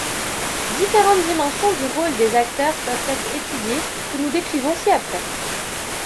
Différentes dimensions du rôle des acteurs peuvent être étudiées que nous décrivons ci-après.